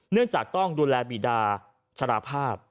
เนื่องจากต้องดูแลบีดาชราภาพ